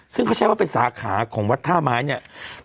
ซึ่งเขาใช้ว่าเป็นสาขาของวัดท่าไม้เนี่ย